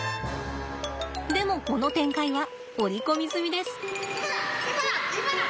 でもこの展開は織り込み済みです。